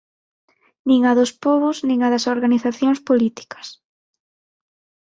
Nin a dos pobos nin a das organizacións políticas.